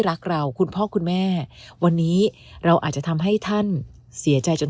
รักเราคุณพ่อคุณแม่วันนี้เราอาจจะทำให้ท่านเสียใจจน